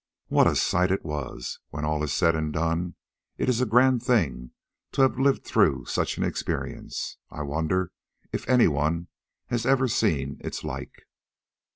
What a sight it was! When all is said and done, it is a grand thing to have lived through such an experience. I wonder if anyone has ever seen its like."